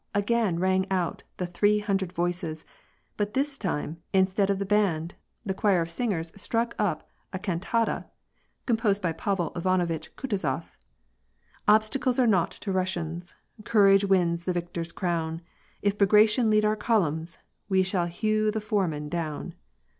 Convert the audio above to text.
again rang out the three hundred voices ; but this time, instead of the band, the choir of singers struck up a cantata composed by Pavel Ivanovitch Kutuzof, —■" Obstacles are naught to Kussians; Courage wins the victor's crown! If Bagration lead our columns, We shall hew the foemandown."